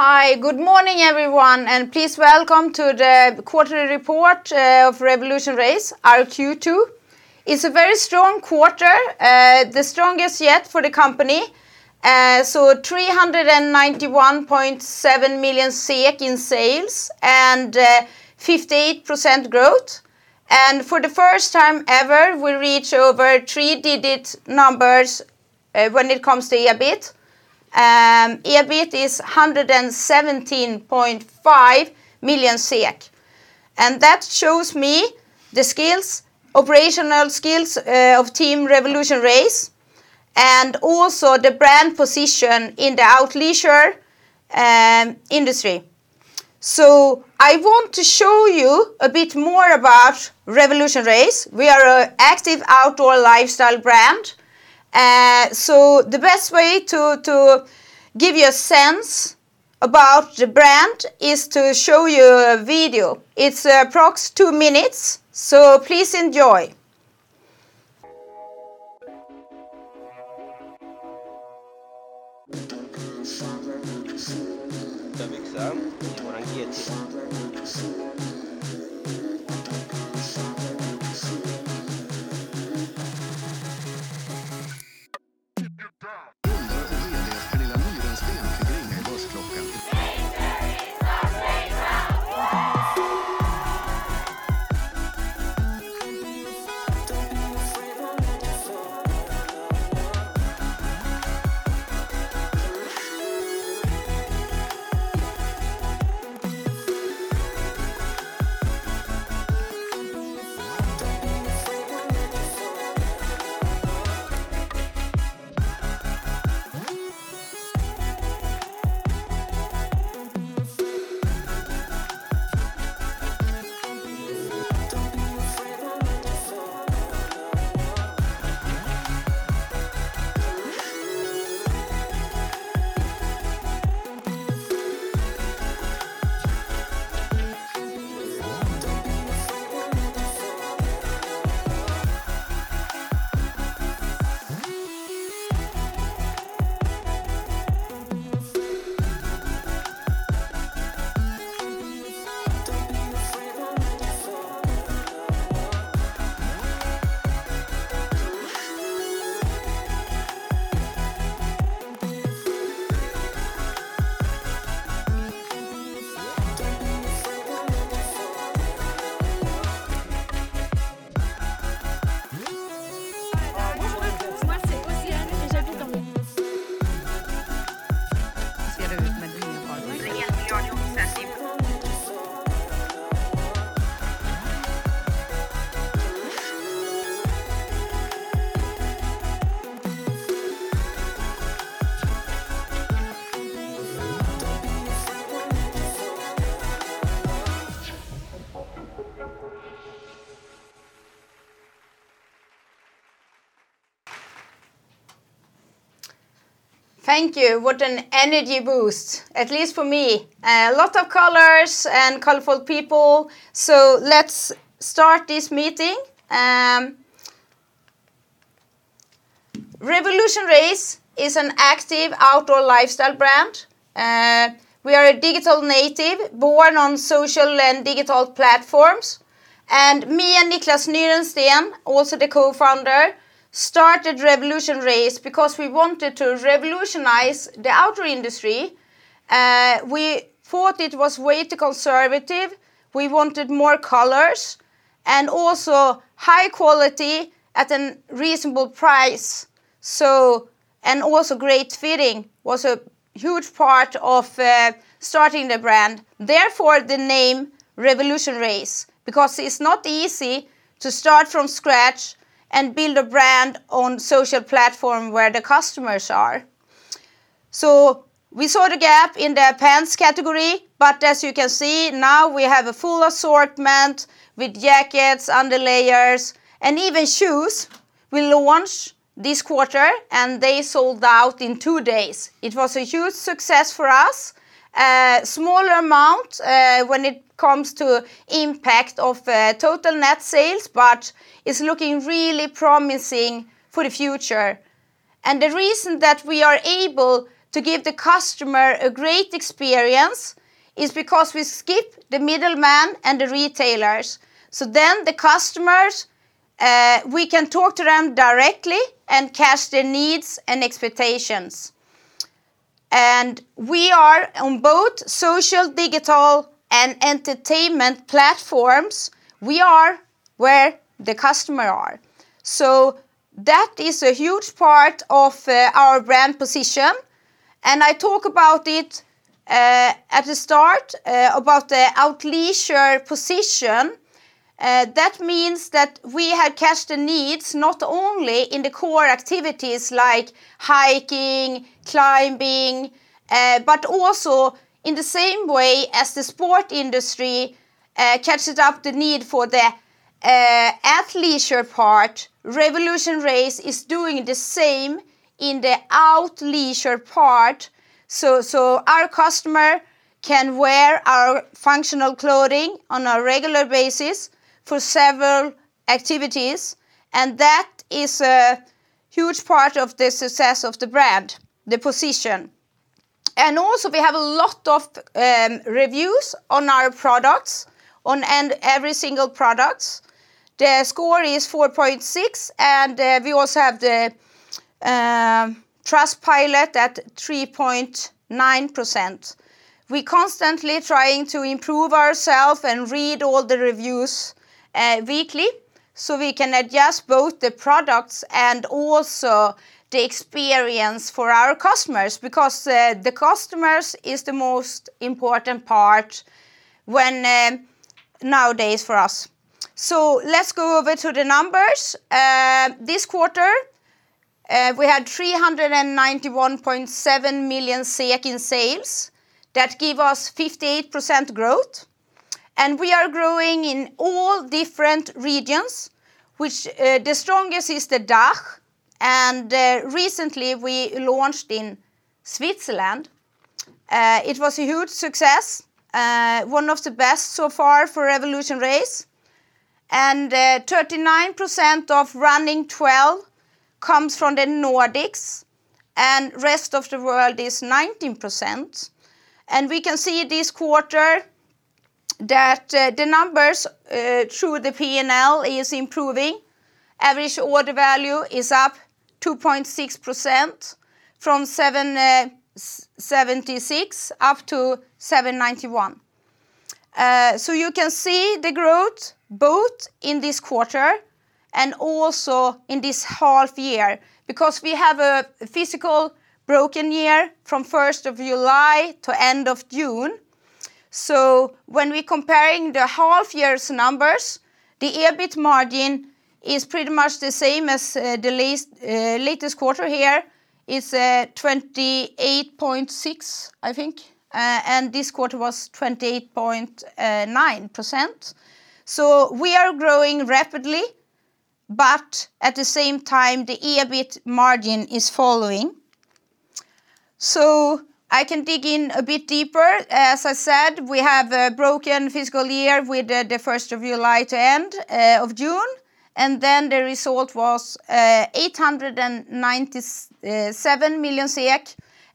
Hi, good morning, everyone, and please welcome to the quarterly report of RevolutionRace, our Q2. It's a very strong quarter, the strongest yet for the company. 391.7 million SEK in sales and 58% growth. For the first time ever, we reach over three-digit numbers when it comes to EBIT. EBIT is 117.5 million SEK. That shows me the skills, operational skills, of Team RevolutionRace and also the brand position in the out leisure industry. I want to show you a bit more about RevolutionRace. We are an active outdoor lifestyle brand. The best way to give you a sense about the brand is to show you a video. It's approx two minutes, please enjoy. Thank you. What an energy boost, at least for me. A lot of colors and colorful people. Let's start this meeting. RevolutionRace is an active outdoor lifestyle brand. We are a digital native, born on social and digital platforms. Me and Niclas Nyrensten, also the co-founder, started RevolutionRace because we wanted to revolutionize the outdoor industry. We thought it was way too conservative. We wanted more colors and also high quality at a reasonable price. Great fitting was a huge part of starting the brand, therefore the name RevolutionRace, because it's not easy to start from scratch and build a brand on social platform where the customers are. We saw the gap in the pants category, but as you can see, now we have a full assortment with jackets, base layers, and even shoes we launch this quarter, and they sold out in two days. It was a huge success for us. Smaller amount when it comes to impact of total net sales, but it's looking really promising for the future. The reason that we are able to give the customer a great experience is because we skip the middleman and the retailers. The customers, we can talk to them directly and catch their needs and expectations. We are on both social, digital, and entertainment platforms. We are where the customer are. That is a huge part of our brand position, and I talk about it at the start about the out leisure position. That means that we have caught the needs not only in the core activities like hiking, climbing, but also in the same way as the sport industry catches the need for the athleisure part. RevolutionRace is doing the same in the out leisure part. Our customer can wear our functional clothing on a regular basis for several activities, and that is a huge part of the success of the brand, the position. Also we have a lot of reviews on our products, on and every single products. The score is 4.6, and we also have the Trustpilot at 3.9%. We constantly trying to improve ourself and read all the reviews weekly, so we can adjust both the products and also the experience for our customers because the customers is the most important part when nowadays for us. Let's go over to the numbers. This quarter we had 391.7 million SEK in sales. That give us 58% growth, and we are growing in all different regions which the strongest is the DACH and recently we launched in Switzerland. It was a huge success, one of the best so far for RevolutionRace, and thirty-nine percent of running twelve comes from the Nordics and rest of the world is nineteen percent. We can see this quarter that the numbers through the P&L is improving. Average order value is up 2.6% from 776 up to 791. You can see the growth both in this quarter and also in this half year because we have a fiscal year from first of July to end of June. When we comparing the half year's numbers, the EBIT margin is pretty much the same as the last quarter here is 28.6, I think, and this quarter was 28.9%. We are growing rapidly, but at the same time, the EBIT margin is following. I can dig in a bit deeper. As I said, we have a broken fiscal year with the first of July to end of June, and then the result was 897 million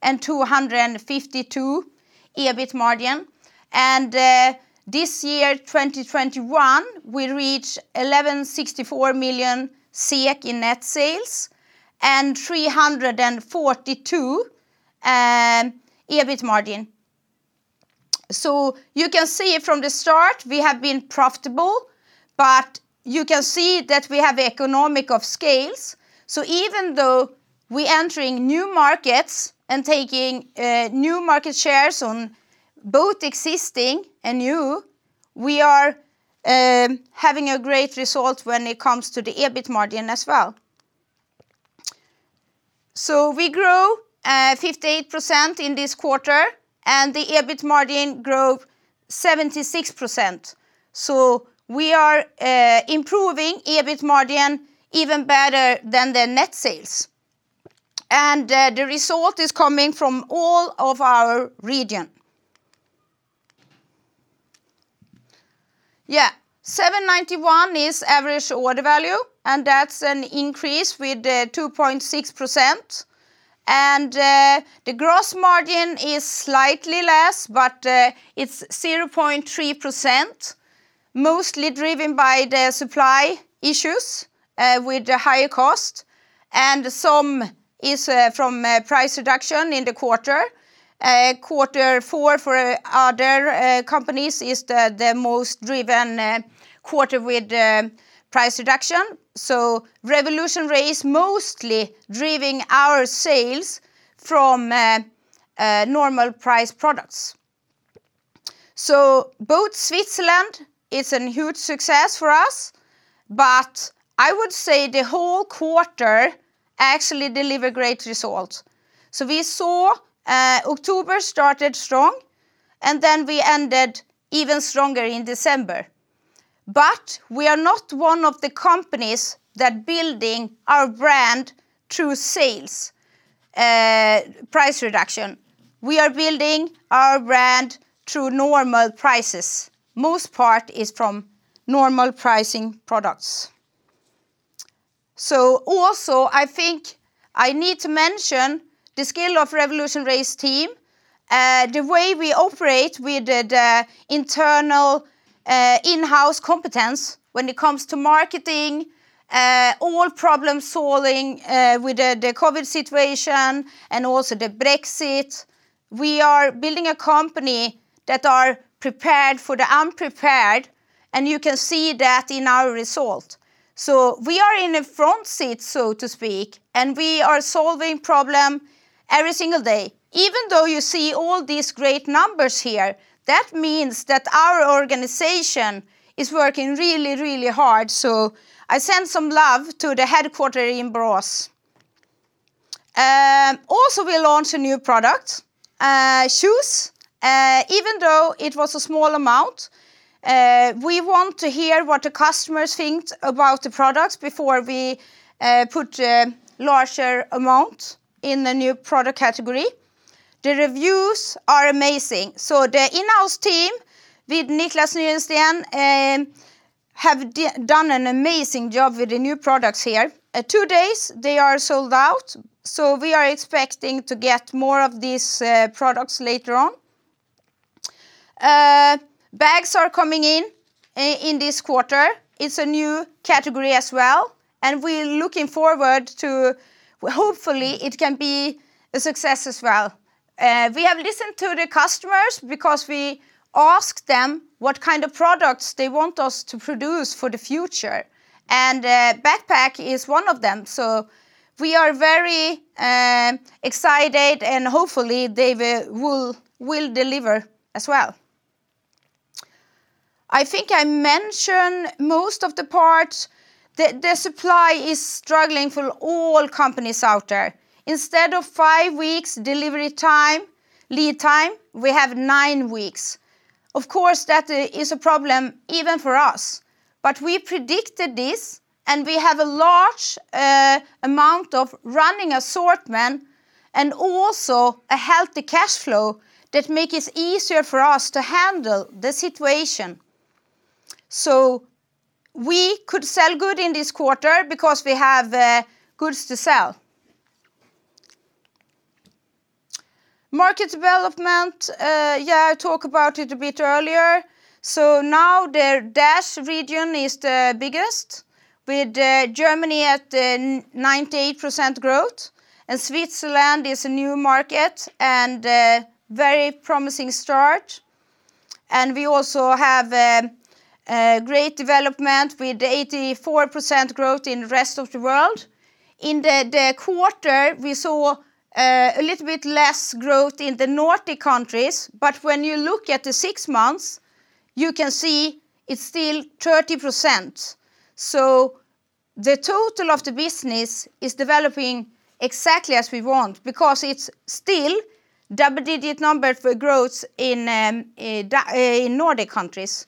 and 252 EBIT margin. This year, 2021, we reach 1,164 million SEK in net sales and 342 EBIT margin. You can see from the start we have been profitable, but you can see that we have economies of scale, so even though we entering new markets and taking new market shares on both existing and new, we are having a great result when it comes to the EBIT margin as well. We grow 58% in this quarter, and the EBIT margin grow 76%. We are improving EBIT margin even better than the net sales. The result is coming from all of our region. Yeah. 791 is average order value, and that's an increase with 2.6%. The gross margin is slightly less, but it's 0.3%, mostly driven by the supply issues with the higher cost, and some is from price reduction in the quarter. Quarter four for other companies is the most driven quarter with price reduction, so RevolutionRace mostly driving our sales from normal price products. Both Switzerland is a huge success for us, but I would say the whole quarter actually deliver great results. We saw October started strong, and then we ended even stronger in December. We are not one of the companies that building our brand through sales price reduction. We are building our brand through normal prices. Most part is from normal pricing products. Also I think I need to mention the scale of RevolutionRace team, the way we operate with the internal in-house competence when it comes to marketing, all problem solving with the COVID situation and also the Brexit. We are building a company that are prepared for the unprepared, and you can see that in our result. We are in a front seat, so to speak, and we are solving problem every single day. Even though you see all these great numbers here, that means that our organization is working really, really hard. I send some love to the headquarters in Borås. Also we launched a new product, Shoes. Even though it was a small amount, we want to hear what the customers think about the products before we put a larger amount in the new product category. The reviews are amazing. The in-house team with Niclas Nyrensten have done an amazing job with the new products here. Two days, they are sold out, so we are expecting to get more of these products later on. Bags are coming in in this quarter. It's a new category as well, and we're looking forward to hopefully it can be a success as well. We have listened to the customers because we asked them what kind of products they want us to produce for the future, and a backpack is one of them. We are very excited, and hopefully, they will deliver as well. I think I mentioned most of the parts. The supply is struggling for all companies out there. Instead of 5 weeks delivery time, lead time, we have 9 weeks. Of course, that is a problem even for us, but we predicted this, and we have a large amount of running assortment and also a healthy cash flow that make it easier for us to handle the situation. We could sell well in this quarter because we have goods to sell. Market development, yeah, I talk about it a bit earlier. Now the DACH region is the biggest with Germany at 98% growth, and Switzerland is a new market and a very promising start. We also have a great development with 84% growth in rest of the world. In the quarter, we saw a little bit less growth in the Nordic countries, but when you look at the six months, you can see it's still 30%. The total of the business is developing exactly as we want because it's still double-digit number for growth in Nordic countries.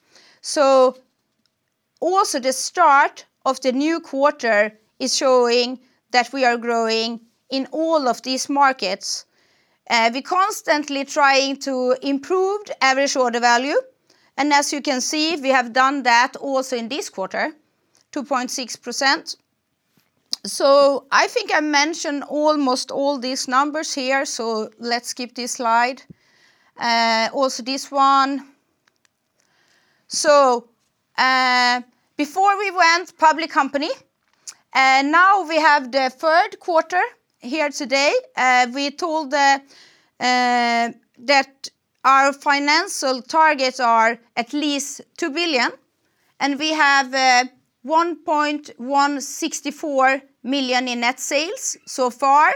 Also the start of the new quarter is showing that we are growing in all of these markets. We constantly trying to improve average order value, and as you can see, we have done that also in this quarter, 2.6%. I think I mentioned almost all these numbers here, so let's skip this slide. Also this one. Before we went public company, and now we have the third quarter here today, we told that our financial targets are at least 2 billion, and we have 1.164 billion in net sales so far,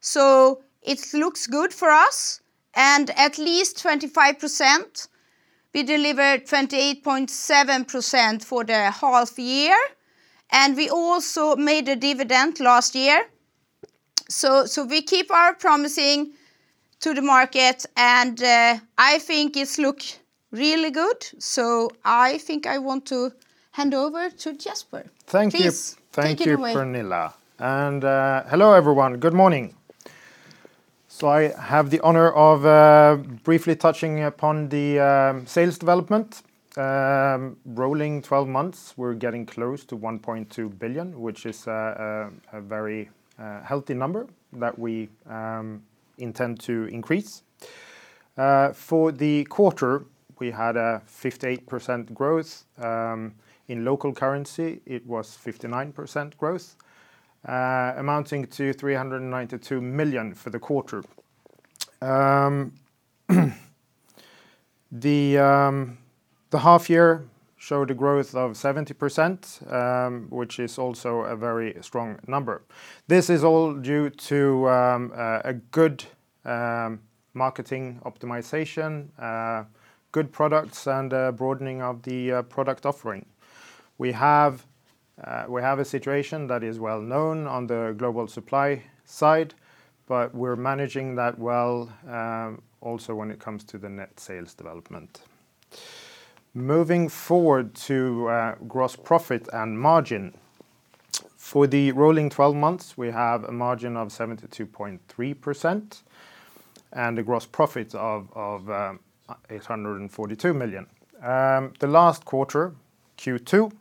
so it looks good for us. At least 25%, we delivered 28.7% for the half year, and we also made a dividend last year. We keep our promise to the market, and I think it looks really good, so I think I want to hand over to Jesper. Thank you. Please, take it away. Thank you, Pernilla. Hello, everyone. Good morning. I have the honor of briefly touching upon the sales development. Rolling 12 months, we're getting close to 1.2 billion, which is a very healthy number that we intend to increase. For the quarter, we had 58% growth in local currency. It was 59% growth, amounting to 392 million for the quarter. The half year showed a growth of 70%, which is also a very strong number. This is all due to a good marketing optimization, good products, and a broadening of the product offering. We have a situation that is well-known on the global supply side, but we're managing that well, also when it comes to the net sales development. Moving forward to gross profit and margin. For the rolling 12 months, we have a margin of 72.3% and a gross profit of 842 million. The last quarter, Q2,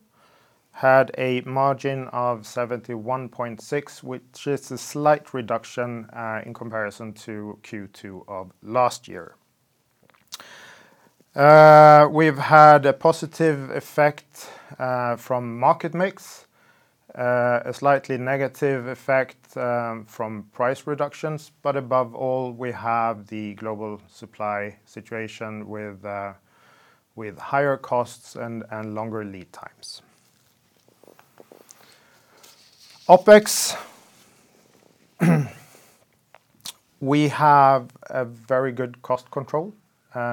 had a margin of 71.6%, which is a slight reduction in comparison to Q2 of last year. We've had a positive effect from market mix, a slightly negative effect from price reductions, but above all, we have the global supply situation with higher costs and longer lead times. OPEX, we have very good cost control.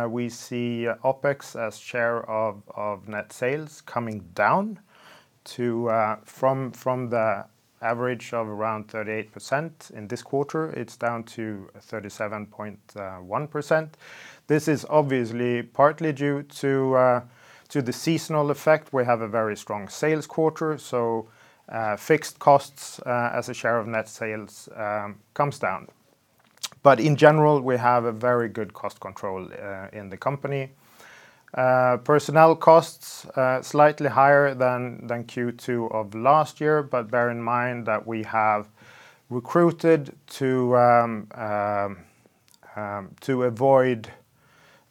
We see OPEX as share of net sales coming down from the average of around 38% in this quarter, it's down to 37.1%. This is obviously partly due to the seasonal effect. We have a very strong sales quarter, so fixed costs as a share of net sales comes down. In general, we have a very good cost control in the company. Personnel costs slightly higher than Q2 of last year, but bear in mind that we have recruited to avoid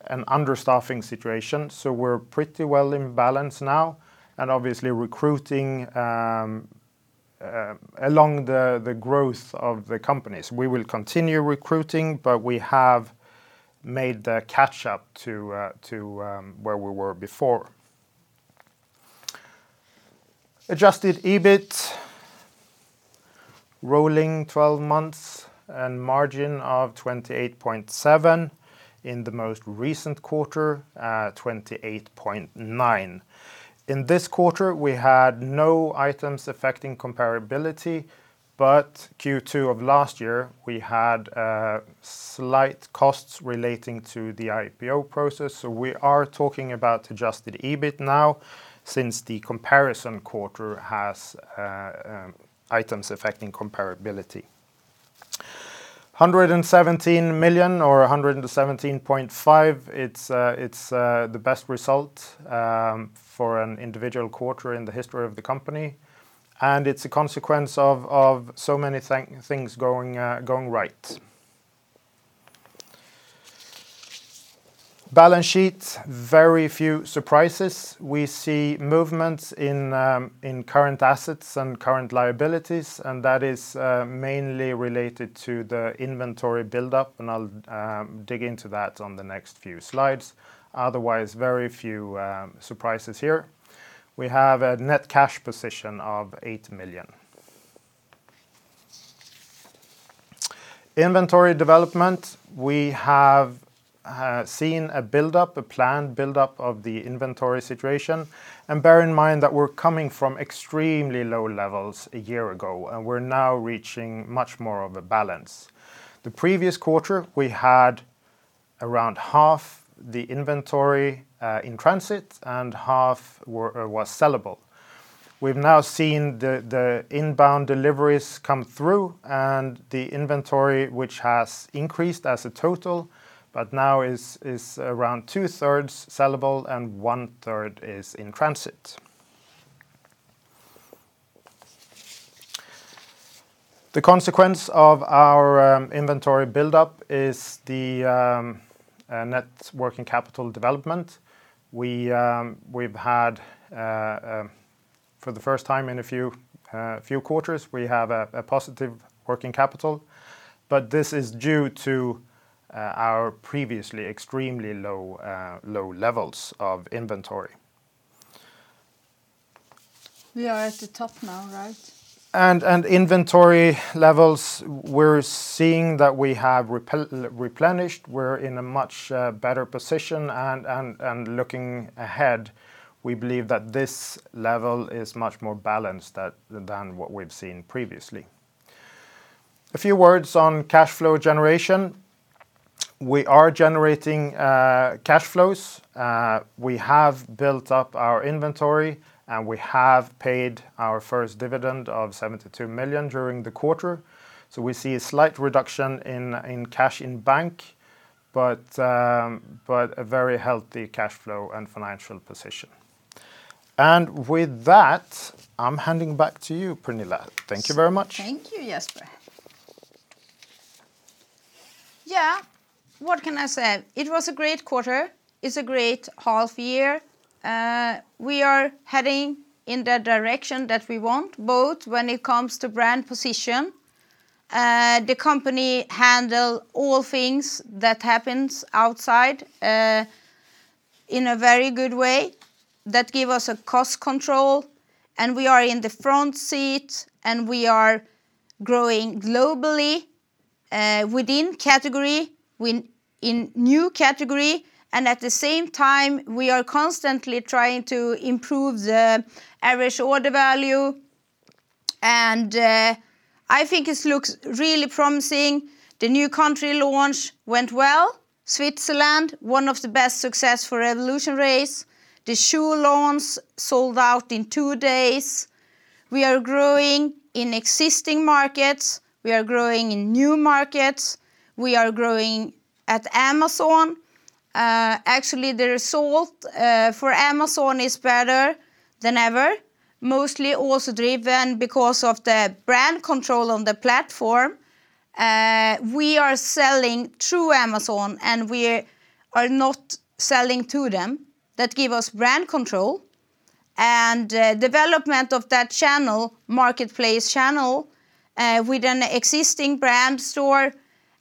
an understaffing situation, so we're pretty well in balance now, and obviously recruiting along the growth of the companies. We will continue recruiting, but we have made the catch-up to where we were before. Adjusted EBIT, rolling 12 months and margin of 28.7% in the most recent quarter, 28.9%. In this quarter, we had no items affecting comparability, but Q2 of last year, we had slight costs relating to the IPO process, so we are talking about adjusted EBIT now since the comparison quarter has items affecting comparability. 117 million or 117.5, it's the best result for an individual quarter in the history of the company, and it's a consequence of so many things going right. Balance sheet, very few surprises. We see movements in current assets and current liabilities, and that is mainly related to the inventory buildup, and I'll dig into that on the next few slides. Otherwise, very few surprises here. We have a net cash position of 8 million. Inventory development, we have seen a buildup, a planned buildup of the inventory situation, and bear in mind that we're coming from extremely low levels a year ago, and we're now reaching much more of a balance. The previous quarter, we had around half the inventory in transit and half was sellable. We've now seen the inbound deliveries come through and the inventory which has increased as a total but now is around two-thirds sellable and one-third is in transit. The consequence of our inventory buildup is the net working capital development. We've had, for the first time in a few quarters, we have a positive working capital, but this is due to our previously extremely low levels of inventory. We are at the top now, right? Inventory levels, we're seeing that we have replenished. We're in a much better position and looking ahead, we believe that this level is much more balanced than what we've seen previously. A few words on cash flow generation. We are generating cash flows. We have built up our inventory, and we have paid our first dividend of 72 million during the quarter, so we see a slight reduction in cash in bank, but a very healthy cash flow and financial position. With that, I'm handing back to you, Pernilla. Thank you very much. Thank you, Jesper. Yeah. What can I say? It was a great quarter. It's a great half year. We are heading in the direction that we want, both when it comes to brand position. The company handle all things that happens outside, in a very good way that give us a cost control, and we are in the front seat, and we are growing globally, within category, in new category, and at the same time, we are constantly trying to improve the average order value, and I think this looks really promising. The new country launch went well. Switzerland, one of the best success for RevolutionRace. The shoe launch sold out in two days. We are growing in existing markets. We are growing in new markets. We are growing at Amazon. Actually, the result for Amazon is better than ever, mostly also driven because of the brand control on the platform. We are selling through Amazon, and we are not selling to them. That give us brand control and development of that channel, marketplace channel, with an existing brand store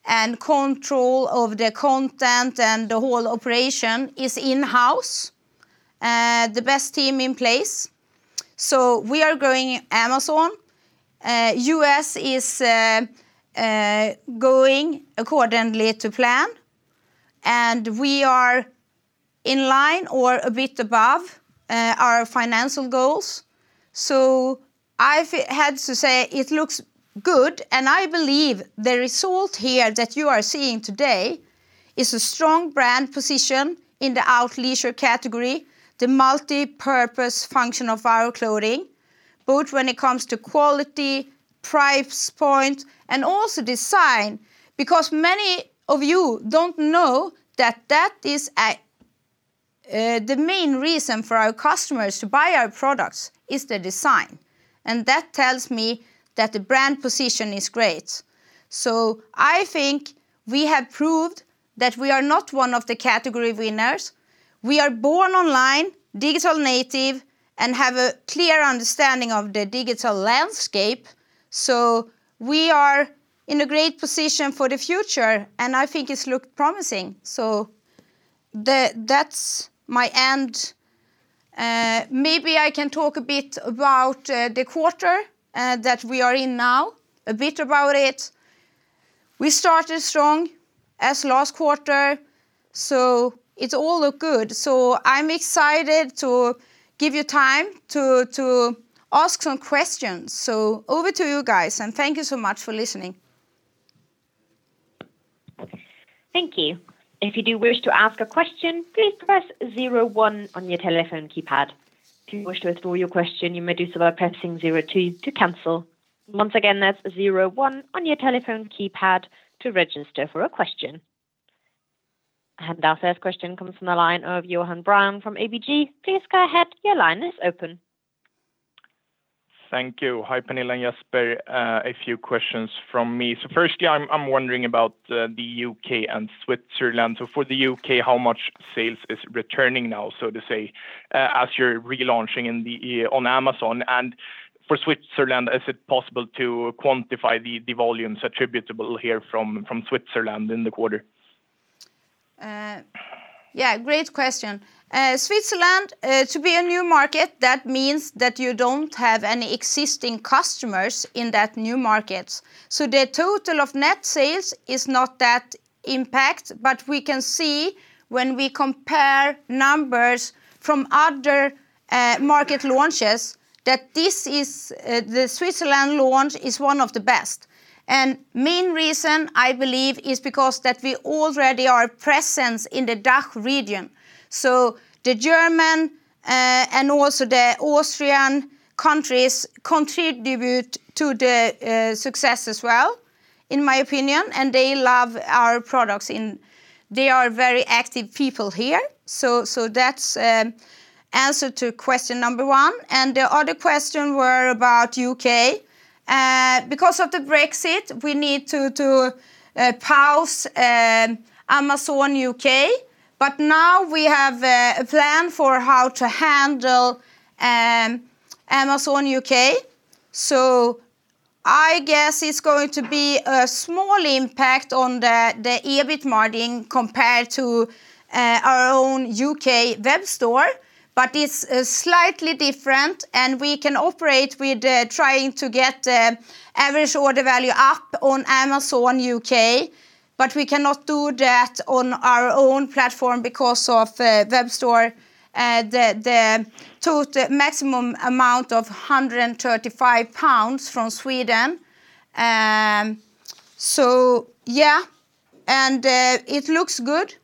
and control of the content and the whole operation is in-house with the best team in place. We are growing Amazon. U.S. is growing according to plan. We are in line or a bit above our financial goals. I had to say it looks good, and I believe the result here that you are seeing today is a strong brand position in the out leisure category, the multipurpose function of our clothing, both when it comes to quality, price point and also design. Because many of you don't know that is the main reason for our customers to buy our products is the design, and that tells me that the brand position is great. I think we have proved that we are one of the category winners. We are born online, digital native, and have a clear understanding of the digital landscape. We are in a great position for the future, and I think it's looked promising. That's my end. Maybe I can talk a bit about the quarter that we are in now, a bit about it. We started strong like last quarter, so it all look good. I'm excited to give you time to ask some questions. Over to you guys, and thank you so much for listening. Our first question comes from the line of Johan Brown from ABG. Please go ahead. Your line is open. Thank you. Hi, Pernilla and Jesper. A few questions from me. Firstly, I'm wondering about the U.K. and Switzerland. For the U.K., how much sales is returning now, so to say, as you're relaunching in the U.K. on Amazon? For Switzerland, is it possible to quantify the volumes attributable here from Switzerland in the quarter? Yeah, great question. Switzerland to be a new market, that means that you don't have any existing customers in that new market. The total of net sales is not that impacted, but we can see when we compare numbers from other market launches that this is the Switzerland launch is one of the best. Main reason, I believe, is because that we already are present in the DACH region. The German and also the Austrian countries contribute to the success as well, in my opinion, and they love our products. They are very active people here. That's answer to question number one. The other question were about U.K. Because of the Brexit, we need to pause Amazon U.K. Now we have a plan for how to handle Amazon UK. I guess it's going to be a small impact on the EBIT margin compared to our own U.K. web store. It's slightly different, and we can operate with trying to get average order value up on Amazon UK, but we cannot do that on our own platform because of web store, the maximum amount of 135 pounds from Sweden. Yeah. It looks good.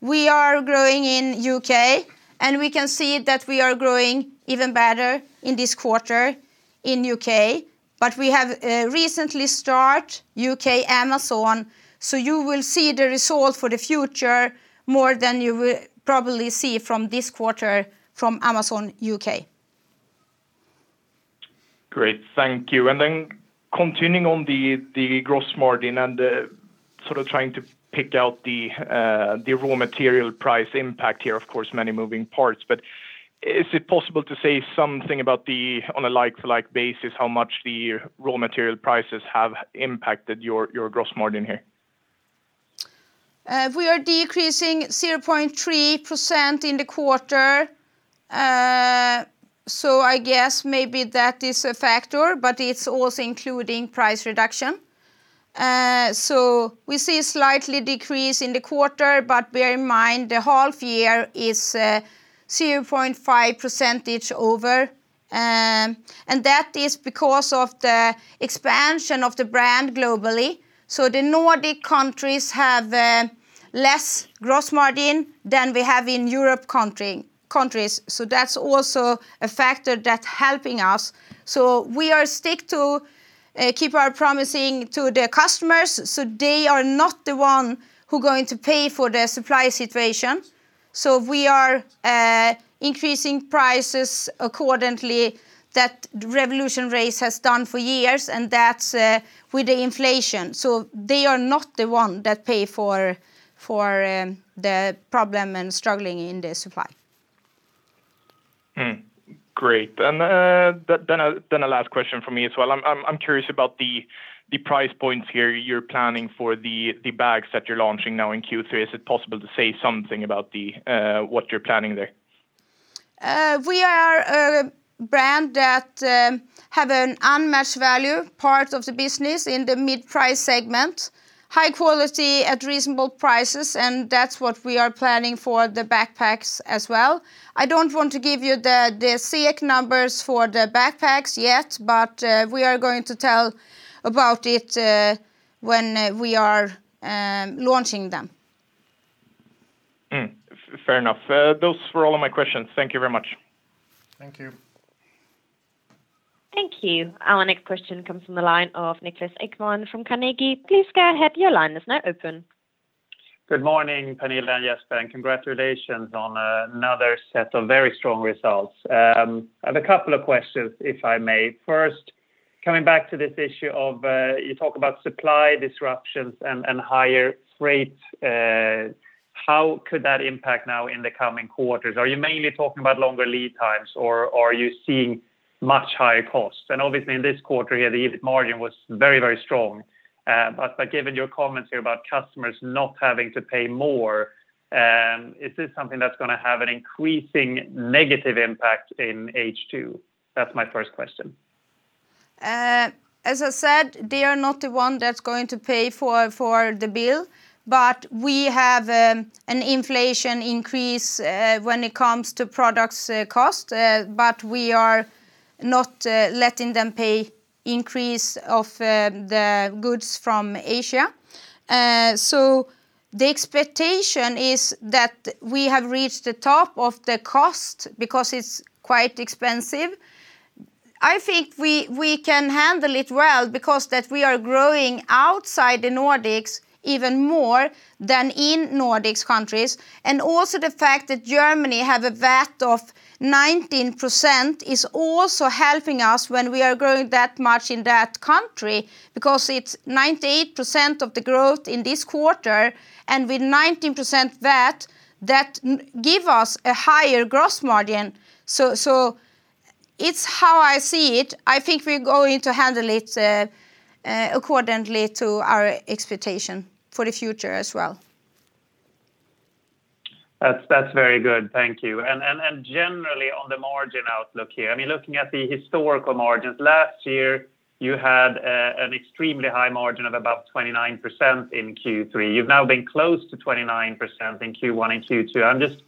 We are growing in U.K., and we can see that we are growing even better in this quarter in U.K. We have recently started Amazon U.K., so you will see the result for the future more than you will probably see from this quarter from Amazon UK. Great. Thank you. Then continuing on the gross margin and sort of trying to pick out the raw material price impact here. Of course, many moving parts, but is it possible to say something about the, on a like-to-like basis, how much the raw material prices have impacted your gross margin here? We are decreasing 0.3% in the quarter. I guess maybe that is a factor, but it's also including price reduction. We see a slight decrease in the quarter, but bear in mind the half year is 0.5% over. That is because of the expansion of the brand globally. The Nordic countries have less gross margin than we have in European countries, so that's also a factor that helping us. We stick to keep our promise to the customers, so they are not the one who going to pay for the supply situation. We are increasing prices accordingly that RevolutionRace has done for years, and that's with the inflation. They are not the one that pay for the problem and struggling in the supply. Great. Then a last question from me as well. I'm curious about the price points here you're planning for the bags that you're launching now in Q3. Is it possible to say something about what you're planning there? We are a brand that have an unmatched value part of the business in the mid-price segment, high quality at reasonable prices, and that's what we are planning for the backpacks as well. I don't want to give you the SEK numbers for the backpacks yet, but we are going to tell about it when we are launching them. Fair enough. Those were all of my questions. Thank you very much. Thank you. Thank you. Our next question comes from the line of Niklas Ekman from Carnegie. Please go ahead. Your line is now open. Good morning, Pernilla and Jesper, and congratulations on another set of very strong results. I have a couple of questions, if I may. First, coming back to this issue of you talk about supply disruptions and higher rates. How could that impact now in the coming quarters? Are you mainly talking about longer lead times, or are you seeing much higher costs? Obviously in this quarter, yeah, the EBIT margin was very, very strong. But given your comments here about customers not having to pay more, is this something that's gonna have an increasing negative impact in H2? That's my first question. As I said, they are not the one that's going to pay for the bill. We have an inflation increase when it comes to products cost, but we are not letting them pay increase of the goods from Asia. The expectation is that we have reached the top of the cost because it's quite expensive. I think we can handle it well because that we are growing outside the Nordics even more than in Nordic countries. Also the fact that Germany have a VAT of 19% is also helping us when we are growing that much in that country because it's 98% of the growth in this quarter, and with 19% VAT, that give us a higher gross margin. It's how I see it. I think we're going to handle it accordingly to our expectation for the future as well. That's very good. Thank you. Generally on the margin outlook here, I mean, looking at the historical margins, last year you had an extremely high margin of about 29% in Q3. You've now been close to 29% in Q1 and Q2. I'm just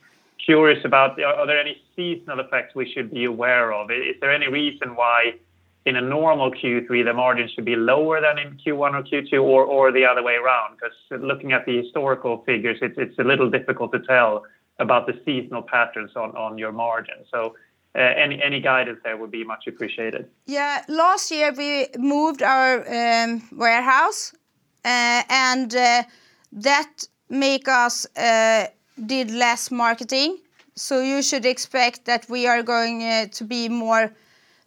curious, are there any seasonal effects we should be aware of? Is there any reason why in a normal Q3 the margins should be lower than in Q1 or Q2 or the other way around? 'Cause looking at the historical figures, it's a little difficult to tell about the seasonal patterns on your margin. Any guidance there would be much appreciated. Yeah. Last year we moved our warehouse and that made us do less marketing. You should expect that we are going to be more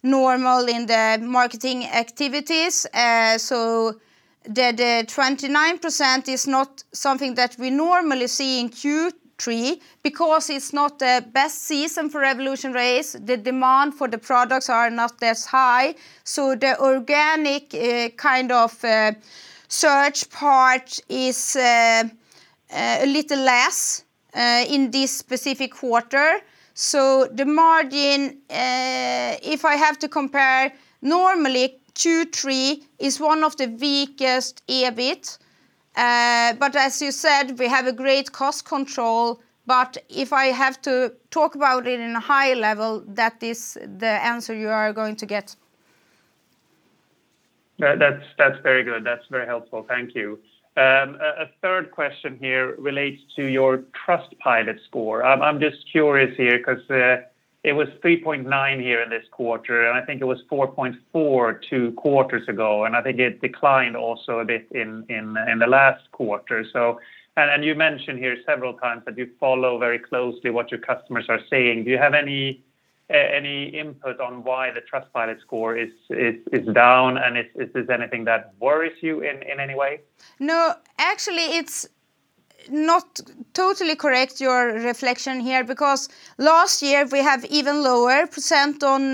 normal in the marketing activities. The 29% is not something that we normally see in Q3 because it's not the best season for RevolutionRace. The demand for the products are not as high, so the organic kind of search part is a little less in this specific quarter. The margin, if I have to compare normally Q3 is one of the weakest EBIT. As you said, we have a great cost control, but if I have to talk about it in a high level, that is the answer you are going to get. That's very good. That's very helpful. Thank you. A third question here relates to your Trustpilot score. I'm just curious here 'cause it was 3.9 here in this quarter, and I think it was 4.4 two quarters ago, and I think it declined also a bit in the last quarter. You mentioned here several times that you follow very closely what your customers are saying. Do you have any input on why the Trustpilot score is down, and if there's anything that worries you in any way? No. Actually, it's not totally correct your reflection here, because last year we have even lower percent on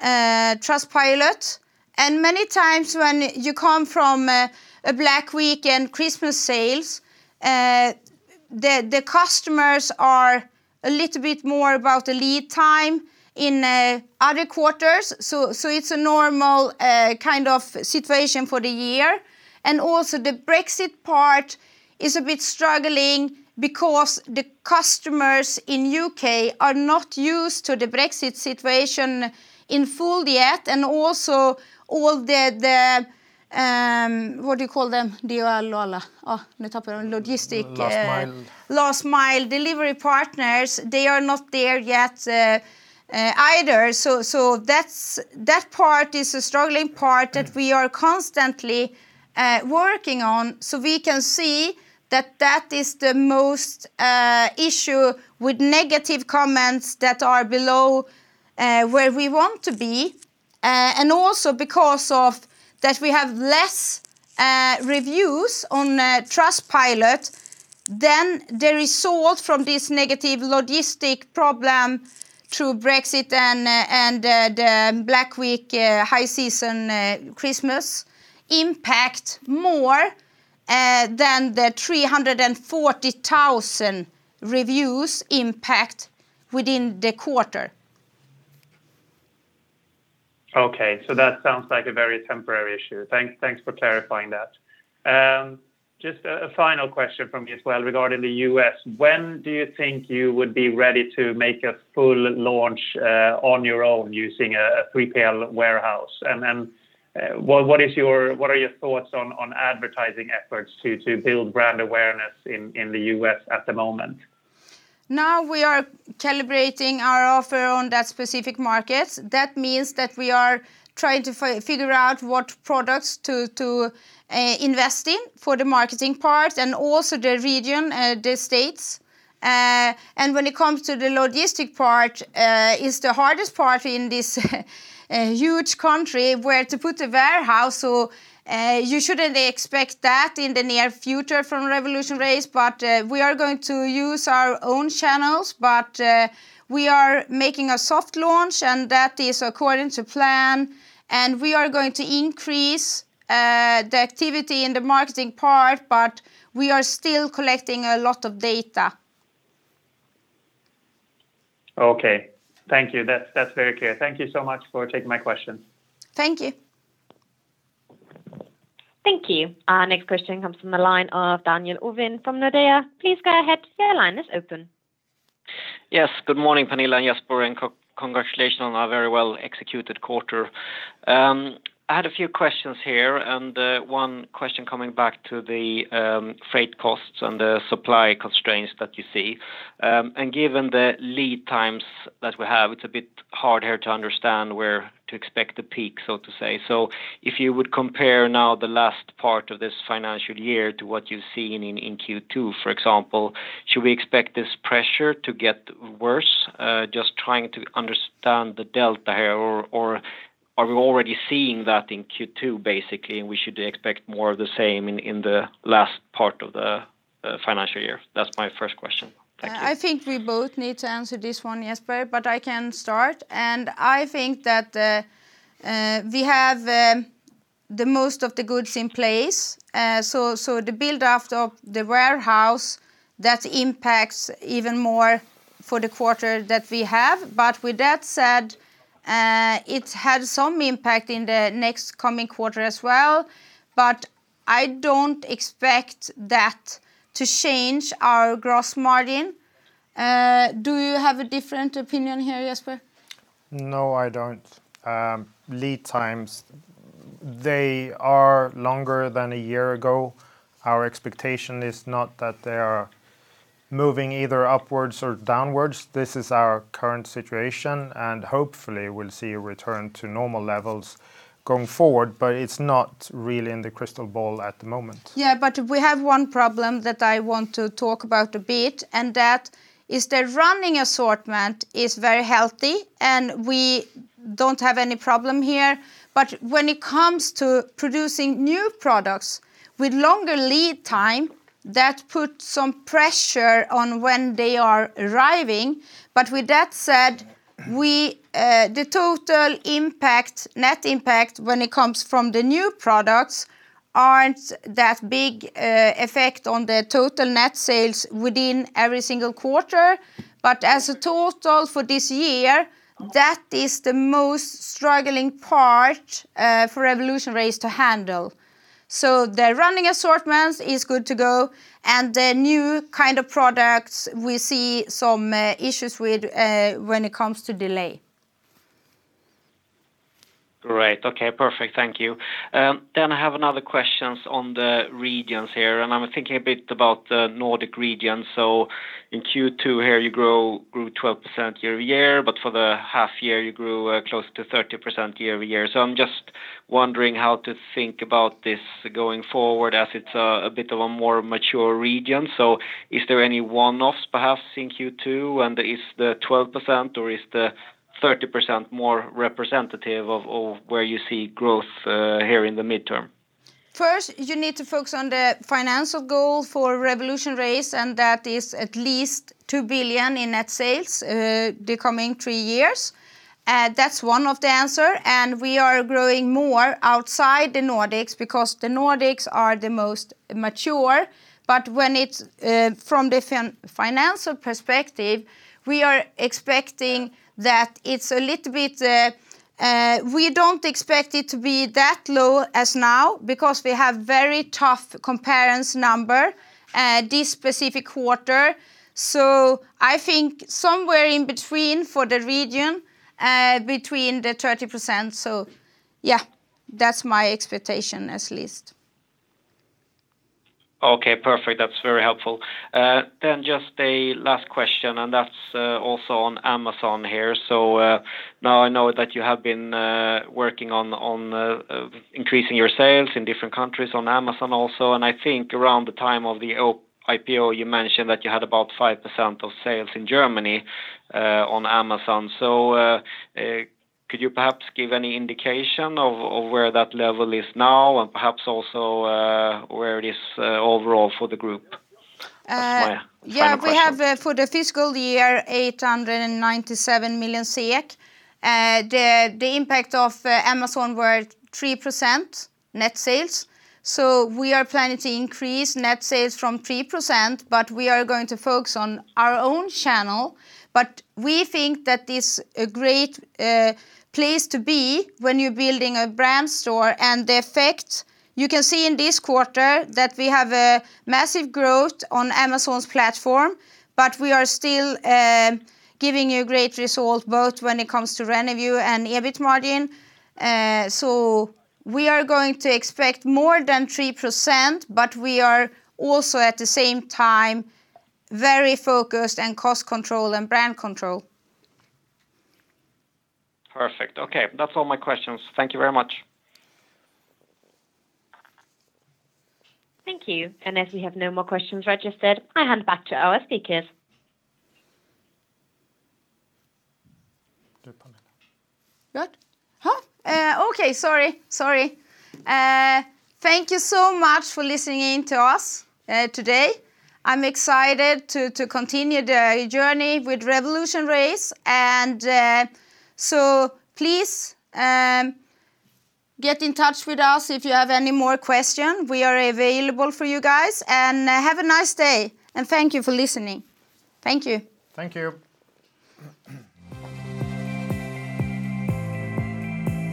Trustpilot. Many times when you come from a Black Week and Christmas sales, the customers are a little bit more about the lead time in other quarters. It's a normal kind of situation for the year. Also the Brexit part is a bit struggling because the customers in U.K. are not used to the Brexit situation in full yet. Also all the what do you call them? Last mile delivery partners, they are not there yet, either. That's that part is a struggling part that we are constantly working on. We can see that is the most issue with negative comments that are below where we want to be. Also because of that we have less reviews on Trustpilot than resulted from this negative logistics problem through Brexit and the Black Week high season Christmas impact more. The 340,000 reviews impact within the quarter. Okay. That sounds like a very temporary issue. Thanks for clarifying that. Just a final question from me as well regarding the U.S. When do you think you would be ready to make a full launch on your own using a 3PL warehouse? Then, what are your thoughts on advertising efforts to build brand awareness in the U.S. at the moment? Now we are calibrating our offer on that specific market. That means that we are trying to figure out what products to invest in for the marketing part and also the region, the states. When it comes to the logistics part, it's the hardest part in this huge country where to put a warehouse. You shouldn't expect that in the near future from RevolutionRace, but we are going to use our own channels. We are making a soft launch, and that is according to plan, and we are going to increase the activity in the marketing part, but we are still collecting a lot of data. Okay. Thank you. That's very clear. Thank you so much for taking my questions. Thank you. Thank you. Our next question comes from the line of Daniel Ovin from Nordea. Please go ahead. Your line is open. Yes. Good morning, Pernilla and Jesper, and congratulations on a very well-executed quarter. I had a few questions here, and one question coming back to the freight costs and the supply constraints that you see. Given the lead times that we have, it's a bit harder to understand where to expect the peak, so to say. If you would compare now the last part of this financial year to what you see in Q2, for example, should we expect this pressure to get worse? Just trying to understand the delta here or are we already seeing that in Q2, basically, and we should expect more of the same in the last part of the financial year? That's my first question. Thank you. I think we both need to answer this one, Jesper, but I can start. I think that we have the most of the goods in place, so the build out of the warehouse that impacts even more for the quarter that we have. With that said, it had some impact in the next coming quarter as well, but I don't expect that to change our gross margin. Do you have a different opinion here, Jesper? No, I don't. Lead times, they are longer than a year ago. Our expectation is not that they are moving either upwards or downwards. This is our current situation, and hopefully we'll see a return to normal levels going forward, but it's not really in the crystal ball at the moment. Yeah, we have one problem that I want to talk about a bit, and that is the running assortment is very healthy, and we don't have any problem here. When it comes to producing new products with longer lead time, that puts some pressure on when they are arriving. With that said, we, the total impact, net impact when it comes from the new products aren't that big, effect on the total net sales within every single quarter. As a total for this year, that is the most struggling part, for RevolutionRace to handle. The running assortments is good to go, and the new kind of products we see some, issues with, when it comes to delay. Great. Okay. Perfect. Thank you. Then I have another question on the regions here, and I'm thinking a bit about the Nordic region. In Q2 here, you grew 12% year-over-year, but for the half year, you grew close to 30% year-over-year. I'm just wondering how to think about this going forward as it's a bit of a more mature region. Is there any one-offs perhaps in Q2, and is the 12% or is the 30% more representative of where you see growth here in the medium term? First, you need to focus on the financial goal for RevolutionRace, and that is at least 2 billion in net sales, the coming three years. That's one of the answer. We are growing more outside the Nordics because the Nordics are the most mature. When it's from the financial perspective, we are expecting that it's a little bit. We don't expect it to be that low as now because we have very tough comparison number, this specific quarter. I think somewhere in between for the region, between the 30%. Yeah, that's my expectation at least. Okay. Perfect. That's very helpful. Just a last question, and that's also on Amazon here. Now I know that you have been working on increasing your sales in different countries on Amazon also. I think around the time of the IPO, you mentioned that you had about 5% of sales in Germany on Amazon. Could you perhaps give any indication of where that level is now and perhaps also where it is overall for the group? That's my final question. Yeah. We have for the fiscal year, 897 million SEK. The impact of Amazon were 3% net sales. We are planning to increase net sales from 3%, but we are going to focus on our own channel. We think that it's a great place to be when you're building a brand store. The effect, you can see in this quarter that we have a massive growth on Amazon's platform, but we are still giving you great result both when it comes to revenue and EBIT margin. We are going to expect more than 3%, but we are also at the same time very focused on cost control and brand control. Perfect. Okay. That's all my questions. Thank you very much. Thank you. As we have no more questions registered, I hand back to our speakers. Go, Pernilla. Thank you so much for listening to us today. I'm excited to continue the journey with RevolutionRace. Please get in touch with us if you have any more question. We are available for you guys. Have a nice day. Thank you for listening. Thank you. Thank you.